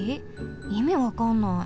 いみわかんない。